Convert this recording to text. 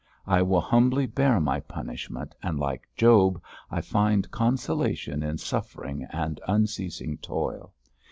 I will humbly bear my punishment and, like Job, I find consolation in suffering and unceasing toil.